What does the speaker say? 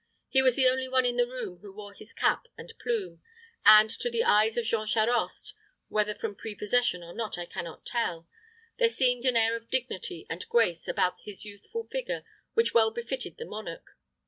He was the only one in the room who wore his cap and plume, and to the eyes of Jean Charost whether from prepossession or not, I can not tell there seemed an air of dignity and grace about his youthful figure which well befitted the monarch.